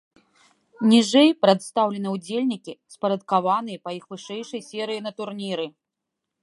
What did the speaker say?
Ніжэй прадстаўлены ўдзельнікі, спарадкаваныя па іх вышэйшай серыі на турніры.